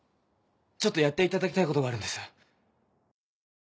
ちょっとやっていただきたいことがあるんです。